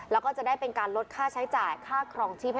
แล้วก็จะได้เป็นการลดค่าใช้จ่ายค่าครองชีพให้